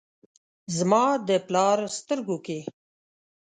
زما د پلار سترګو کې ،